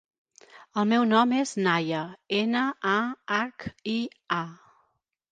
El meu nom és Nahia: ena, a, hac, i, a.